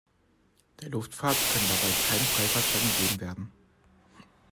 Der Luftfahrt kann dabei kein Freifahrtschein gegeben werden.